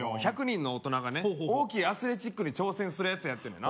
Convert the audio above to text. １００人の大人がね大きいアスレチックに挑戦するやつやって言うね